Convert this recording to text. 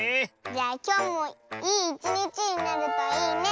じゃあきょうもいいいちにちになるといいねえ！